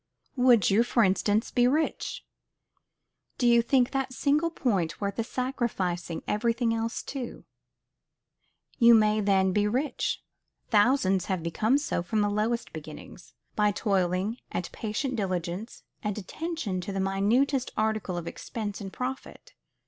Would you, for instance, be rich: Do you think that single point worth the sacrificing everything else to? You may then be rich. Thousands have become so from the lowest beginnings, by toil, and patient diligence, and attention to the minutest article of expense and profit.